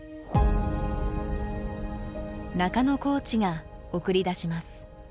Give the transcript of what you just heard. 中野コーチが送り出します。